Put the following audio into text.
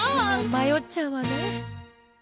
まよっちゃうわね。